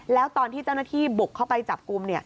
แล้วตอนที่เจ้าหน้าที่บุกเข้าไปจับกลุ่ม